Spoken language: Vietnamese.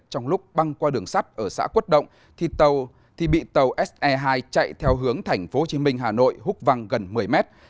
trong lúc băng qua đường sắt ở xã quất động thì bị tàu se hai chạy theo hướng tp hcm hà nội hút văng gần một mươi mét